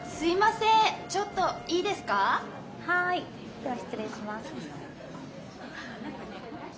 では失礼します。